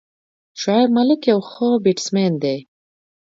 شعیب ملک یو ښه بیټسمېن دئ.